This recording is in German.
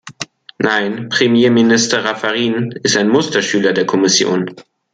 Nein, Premierminister Raffarin ist ein Musterschüler der Kommission.